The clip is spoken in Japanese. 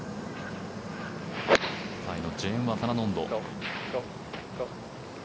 タイのジェーンワタナノンド。